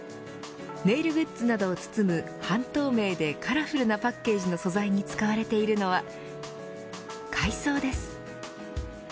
ネイルグッズなどを包む半透明でカラフルなパッケージの素材に使われているのは海藻です。